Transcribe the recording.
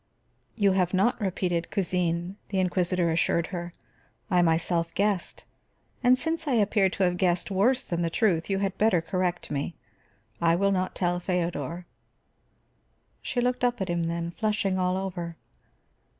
"You have not repeated, cousine," the inquisitor assured her. "I myself guessed. And since I appear to have guessed worse than the truth, you had better correct me. I will not tell Feodor." She looked up at him then, flushing all over.